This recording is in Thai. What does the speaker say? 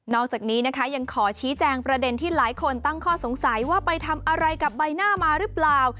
อกจากนี้นะคะยังขอชี้แจงประเด็นที่หลายคนตั้งข้อสงสัยว่าไปทำอะไรกับใบหน้ามาหรือเปล่า